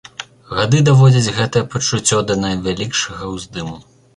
Гады даводзяць гэтае пачуццё да найвялікшага ўздыму.